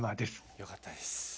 よかったです。